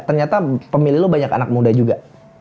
ternyata pemilih lo banyak anak muda juga